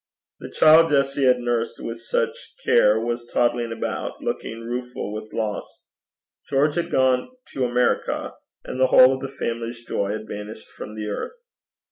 The child Jessie had nursed with such care was toddling about, looking rueful with loss. George had gone to America, and the whole of that family's joy had vanished from the earth.